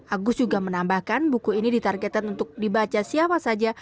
agus juga menambahkan buku ini ditargetkan untuk dibaca siapa saja